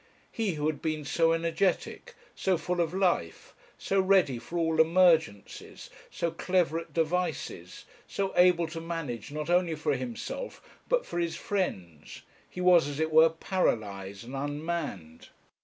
He who had been so energetic, so full of life, so ready for all emergencies, so clever at devices, so able to manage not only for himself but for his friends, he was, as it were, paralysed and unmanned.